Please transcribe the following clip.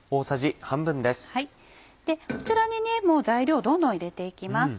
こちらに材料をどんどん入れて行きます。